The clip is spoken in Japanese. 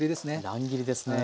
乱切りですね。